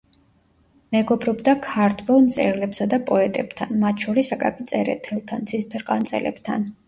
მეგობრობდა ქართველ მწერლებსა და პოეტებთან, მათ შორის აკაკი წერეთელთან, ცისფერყანწელებთან.